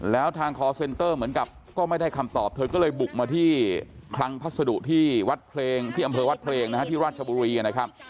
แล้วทางคอร์เซ็นเตอร์เหมือนกับก็ไม่ได้คำตอบเธอก็เลยบุกมาที่คลังพัสดุที่วัดเพลงที่อำเภอวัดเพลงนะฮะที่ราชบุรีนะครับ